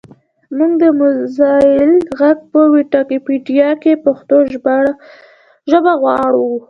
مونږ د موزیلا غږ په ویکیپېډیا کې پښتو ژبه غواړو